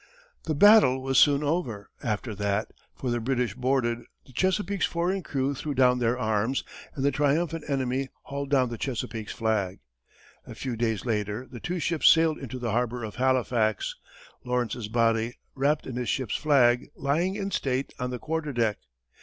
The battle was soon over, after that, for the British boarded, the Chesapeake's foreign crew threw down their arms, and the triumphant enemy hauled down the Chesapeake's flag. A few days later, the two ships sailed into the harbor of Halifax, Lawrence's body, wrapped in his ship's flag, lying in state on the quarter deck.